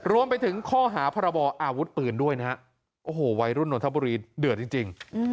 รวมไปถึงข้อหาพรบออาวุธปืนด้วยนะฮะโอ้โหวัยรุ่นนนทบุรีเดือดจริง